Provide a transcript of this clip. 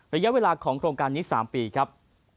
ระยะเวลาของโครงการนี้๓ปีครับ